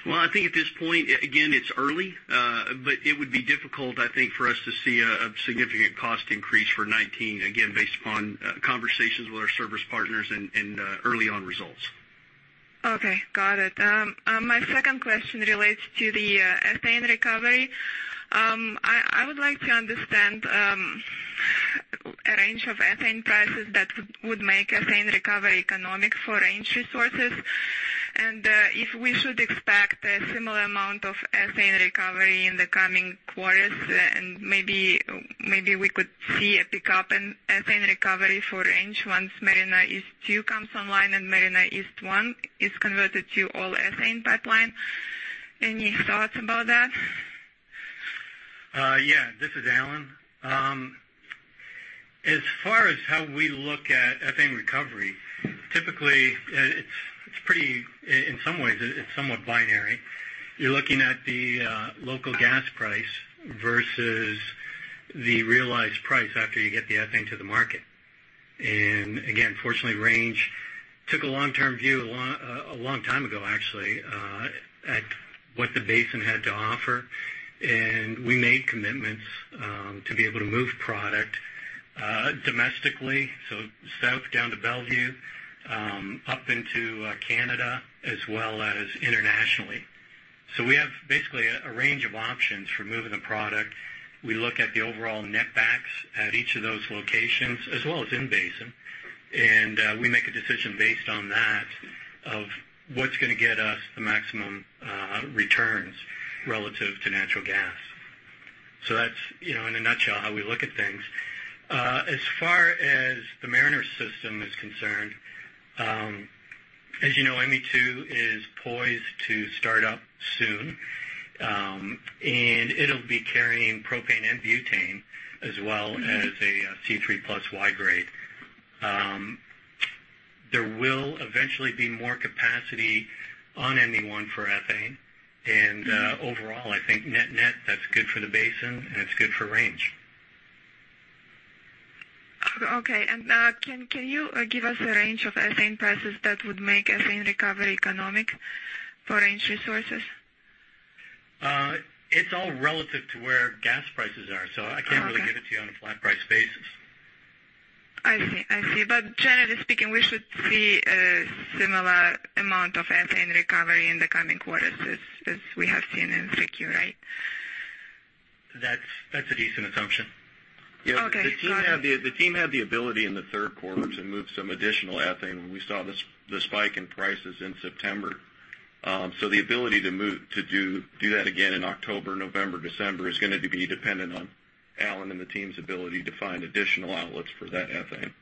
Well, I think at this point, again, it's early, but it would be difficult, I think, for us to see a significant cost increase for 2019, again, based upon conversations with our service partners and early on results. Okay, got it. My second question relates to the ethane recovery. I would like to understand a range of ethane prices that would make ethane recovery economic for Range Resources, and if we should expect a similar amount of ethane recovery in the coming quarters, and maybe we could see a pickup in ethane recovery for Range once Mariner East 2 comes online and Mariner East 1 is converted to all ethane pipeline. Any thoughts about that? This is Alan. As far as how we look at ethane recovery, typically, in some ways it's somewhat binary. You're looking at the local gas price versus the realized price after you get the ethane to the market. Fortunately, Range took a long-term view a long time ago actually, at what the basin had to offer, and we made commitments to be able to move product domestically, so south down to Mont Belvieu, up into Canada, as well as internationally. We have basically a range of options for moving the product. We look at the overall net backs at each of those locations as well as in basin. We make a decision based on that, of what's going to get us the maximum returns relative to natural gas. That's, in a nutshell, how we look at things. As far as the Mariner system is concerned, as you know, ME2 is poised to start up soon. It'll be carrying propane and butane, as well as a C3+ Y-grade. There will eventually be more capacity on ME1 for ethane. Overall, I think net-net, that's good for the basin, and it's good for Range. Okay. Can you give us a range of ethane prices that would make ethane recovery economic for Range Resources? It's all relative to where gas prices are. I can't really give it to you on a flat price basis. I see. Generally speaking, we should see a similar amount of ethane recovery in the coming quarters as we have seen in 3Q, right? That's a decent assumption. Okay. Got it. The team had the ability in the third quarter to move some additional ethane when we saw the spike in prices in September. The ability to do that again in October, November, December is going to be dependent on Alan and the team's ability to find additional outlets for that ethane.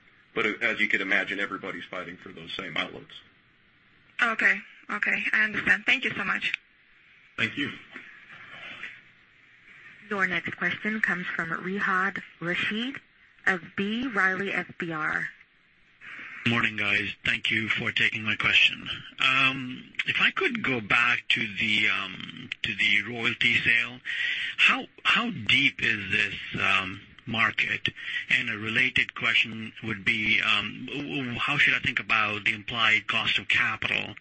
As you could imagine, everybody's fighting for those same outlets. Okay. I understand. Thank you so much. Thank you. Your next question comes from Rehan Rashid of B. Riley FBR. Morning, guys. Thank you for taking my question. If I could go back to the royalty sale, how deep is this market? A related question would be, how should I think about the implied cost of capital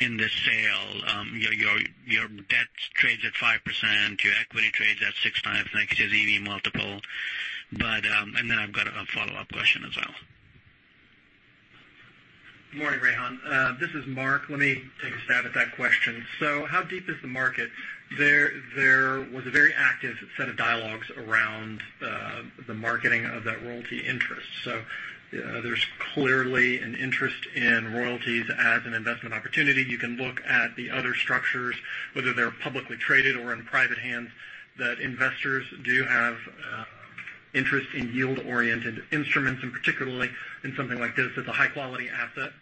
in this sale? Your debt trades at 5%, your equity trades at 6x next year's EV multiple. I've got a follow-up question as well. Morning, Rehan. This is Mark. Let me take a stab at that question. How deep is the market? There was a very active set of dialogues around the marketing of that royalty interest. There's clearly an interest in royalties as an investment opportunity. You can look at the other structures, whether they're publicly traded or in private hands, that investors do have interest in yield-oriented instruments, and particularly in something like this. It's a high-quality asset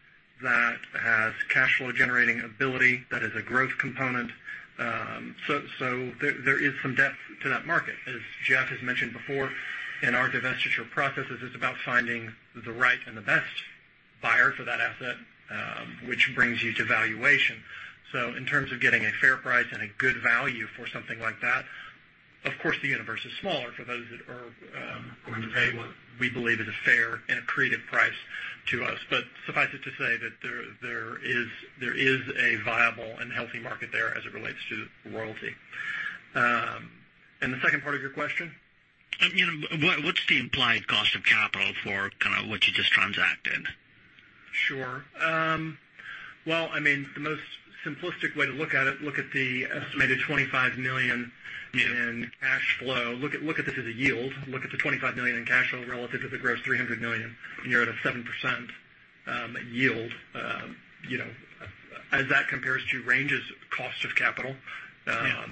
that has cash flow generating ability, that is a growth component. There is some depth to that market. As Jeff has mentioned before, in our divestiture processes, it's about finding the right and the best buyer for that asset, which brings you to valuation. In terms of getting a fair price and a good value for something like that, of course, the universe is smaller for those that are going to pay what we believe is a fair and accretive price to us. Suffice it to say that there is a viable and healthy market there as it relates to royalty. The second part of your question? What's the implied cost of capital for what you just transacted? Sure. Well, the most simplistic way to look at it, look at the estimated $25 million in cash flow. Look at this as a yield. Look at the $25 million in cash flow relative to the gross $300 million, you're at a 7% yield. As that compares to Range's cost of capital. Yeah.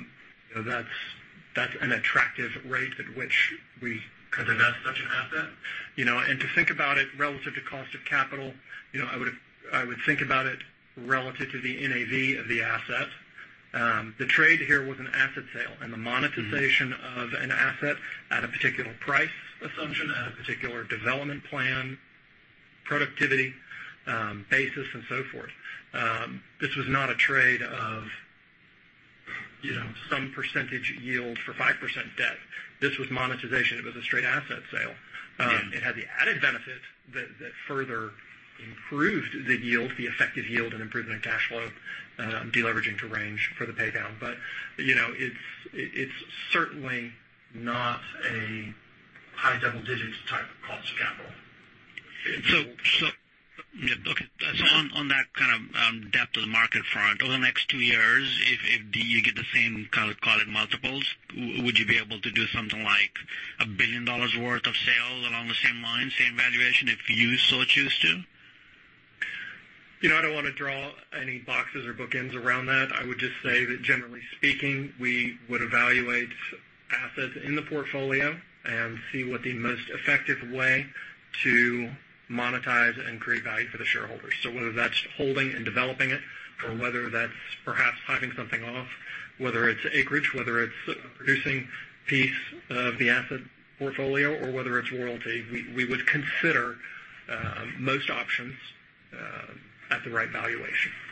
That's an attractive rate at which we could invest such an asset. To think about it relative to cost of capital, I would think about it relative to the NAV of the asset. The trade here was an asset sale and the monetization of an asset at a particular price assumption, at a particular development plan, productivity basis, and so forth. This was not a trade of some percentage yield for 5% debt. This was monetization. It was a straight asset sale. Yeah. It had the added benefit that further improved the yield, the effective yield, and improvement of cash flow, de-leveraging to Range for the pay down. It's certainly not a high double digits type of cost of capital. Okay. On that depth of the market front, over the next two years, if you get the same call it multiples, would you be able to do something like $1 billion worth of sales along the same lines, same valuation, if you so choose to? I don't want to draw any boxes or bookends around that. I would just say that generally speaking, we would evaluate assets in the portfolio and see what the most effective way to monetize and create value for the shareholders. Whether that's holding and developing it, or whether that's perhaps hiving something off, whether it's acreage, whether it's a producing piece of the asset portfolio, or whether it's royalty, we would consider most options at the right valuation. Got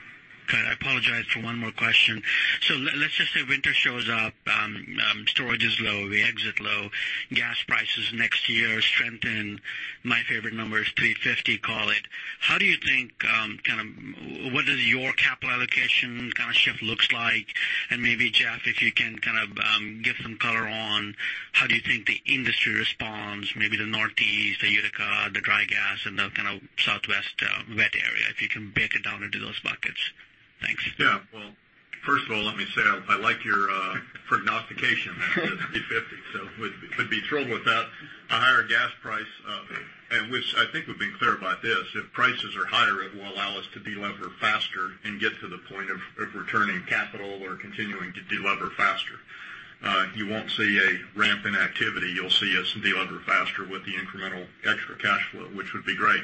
it. I apologize for one more question. Let's just say winter shows up, storage is low, we exit low. Gas prices next year strengthen. My favorite number is $3.50, call it. What does your capital allocation shift looks like? Maybe, Jeff, if you can give some color on how do you think the industry responds, maybe the Northeast, the Utica, the dry gas, and the Southwest wet area, if you can break it down into those buckets. Thanks. Well, first of all, let me say, I like your prognostication there, $3.50. Would be thrilled with that. A higher gas price, and which I think we've been clear about this, if prices are higher, it will allow us to de-lever faster and get to the point of returning capital or continuing to de-lever faster. You won't see a ramp in activity. You'll see us de-lever faster with the incremental extra cash flow, which would be great.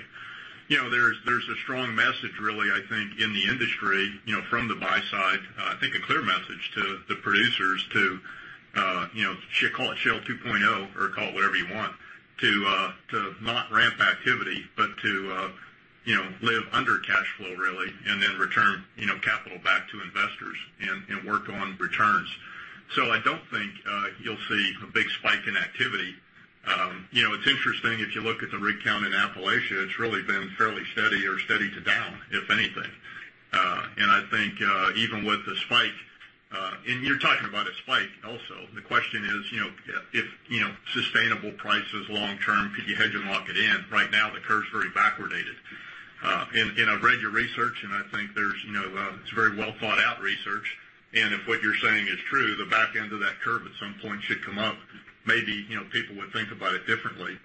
There's a strong message really, I think, in the industry from the buy side, I think a clear message to the producers to call it Shale 2.0 or call it whatever you want, to not ramp activity, but to live under cash flow really, and then return capital back to investors and work on returns. I don't think you'll see a big spike in activity. It's interesting, if you look at the rig count in Appalachia, it's really been fairly steady or steady to down, if anything. I think even with a spike, and you're talking about a spike also, the question is if sustainable prices long term, hedge and lock it in. Right now, the curve's very backwardated. I've read your research, and I think it's very well thought out research. If what you're saying is true, the back end of that curve at some point should come up. Maybe people would think about it differently.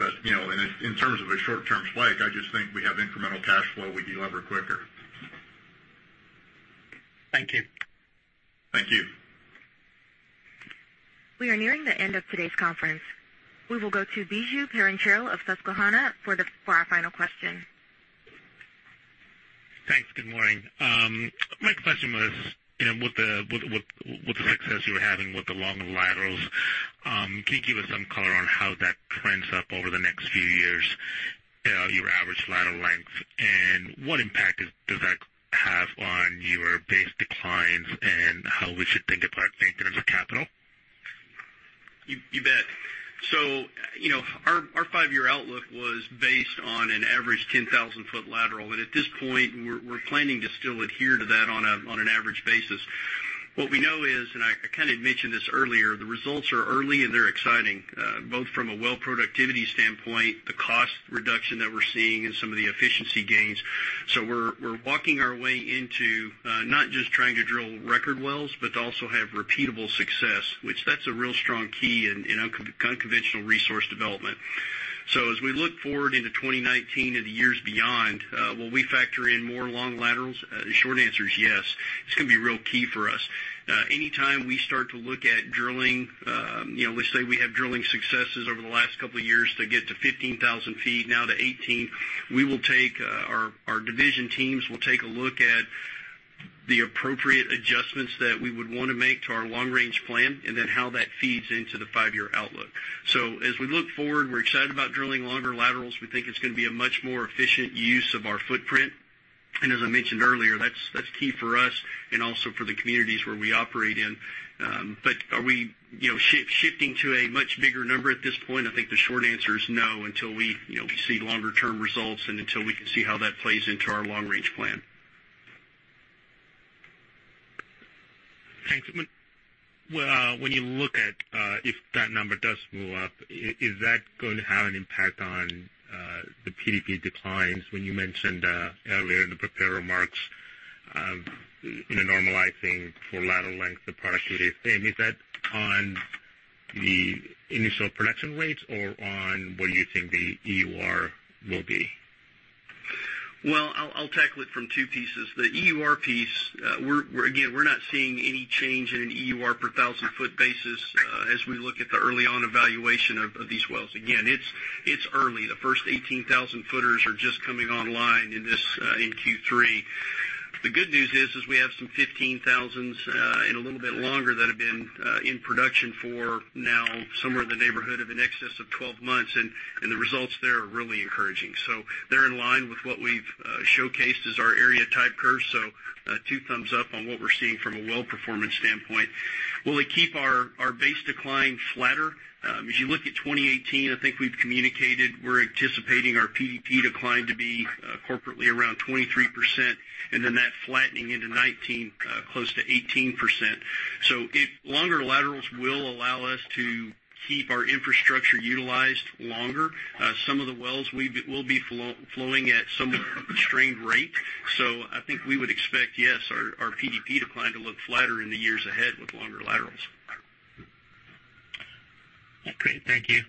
In terms of a short-term spike, I just think we have incremental cash flow, we de-lever quicker. Thank you. We are nearing the end of today's conference. We will go to Biju Perincheril of Susquehanna for our final question. Thanks. Good morning. My question was, with the success you were having with the longer laterals, can you give us some color on how that trends up over the next few years, your average lateral length, and what impact does that have on your base declines and how we should think about it in terms of capital? You bet. Our five-year outlook was based on an average 10,000-foot lateral, at this point, we're planning to still adhere to that on an average basis. What we know is, I kind of mentioned this earlier, the results are early, and they're exciting, both from a well productivity standpoint, the cost reduction that we're seeing, and some of the efficiency gains. We're walking our way into not just trying to drill record wells, but to also have repeatable success, which that's a real strong key in unconventional resource development. As we look forward into 2019 and the years beyond, will we factor in more long laterals? The short answer is yes. It's going to be real key for us. Anytime we start to look at drilling, let's say we have drilling successes over the last couple of years to get to 15,000 feet now to 18, our division teams will take a look at the appropriate adjustments that we would want to make to our long-range plan, then how that feeds into the five-year outlook. As we look forward, we're excited about drilling longer laterals. We think it's going to be a much more efficient use of our footprint. As I mentioned earlier, that's key for us and also for the communities where we operate in. Are we shifting to a much bigger number at this point? I think the short answer is no, until we see longer-term results and until we can see how that plays into our long-range plan. Thanks. When you look at if that number does move up, is that going to have an impact on the PDP declines when you mentioned earlier in the prepared remarks, normalizing for lateral length, the productivity thing? Is that on the initial production rates or on what you think the EUR will be? Well, I'll tackle it from two pieces. The EUR piece, again, we're not seeing any change in an EUR per thousand-foot basis as we look at the early-on evaluation of these wells. Again, it's early. The first 18,000 footers are just coming online in Q3. The good news is we have some 15,000s and a little bit longer that have been in production for now somewhere in the neighborhood of in excess of 12 months, and the results there are really encouraging. They're in line with what we've showcased as our area type curve. Two thumbs up on what we're seeing from a well performance standpoint. Will it keep our base decline flatter? If you look at 2018, I think we've communicated, we're anticipating our PDP decline to be corporately around 23%, and then that flattening into 2019 close to 18%. Longer laterals will allow us to keep our infrastructure utilized longer. Some of the wells will be flowing at somewhat of a constrained rate. I think we would expect, yes, our PDP decline to look flatter in the years ahead with longer laterals. Okay. Thank you.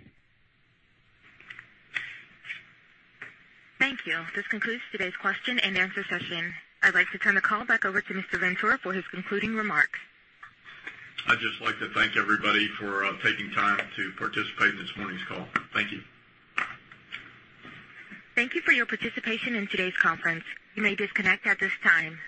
Thank you. This concludes today's question and answer session. I'd like to turn the call back over to Mr. Ventura for his concluding remarks. I'd just like to thank everybody for taking time to participate in this morning's call. Thank you. Thank you for your participation in today's conference. You may disconnect at this time.